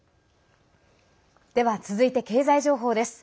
では、続いて経済情報です。